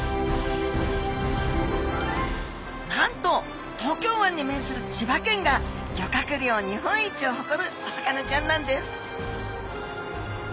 なんと東京湾に面する千葉県が漁獲量日本一をほこるお魚ちゃんなんです！